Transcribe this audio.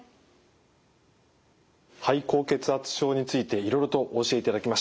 肺高血圧症についていろいろとお教えいただきました。